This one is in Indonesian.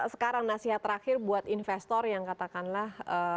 sekarang nasihat terakhir buat investor yang katakanlah